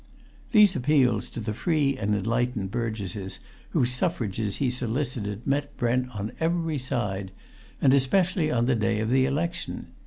These appeals to the free and enlightened burgesses whose suffrages he solicited met Brent on every side, and especially on the day of the election.